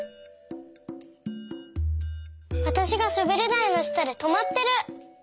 わたしがすべりだいのしたでとまってる！